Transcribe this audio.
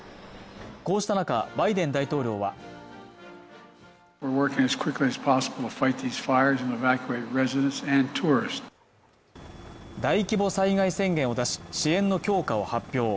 こうした中バイデン大統領は大規模災害宣言を出し支援の強化を発表